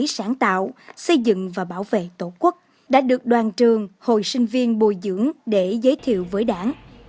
sáng tạo xây dựng và bảo vệ tổ quốc đã được đoàn trường hồi sinh viên bồi dưỡng để giới thiệu với đảng